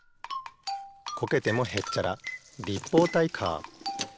こけてもへっちゃら立方体カー。